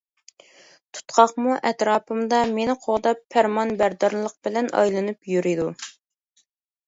تۇتقاقمۇ ئەتراپىمدا مېنى قوغداپ پەرمانبەردارلىق بىلەن ئايلىنىپ يۈرىدۇ.